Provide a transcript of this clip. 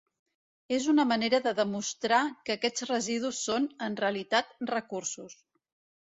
És una manera de demostrar que aquests residus són, en realitat, recursos.